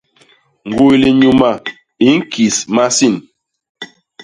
Ñguy linyuma i ñkis masin.